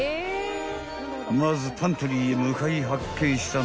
［まずパントリーへ向かい発見したのは］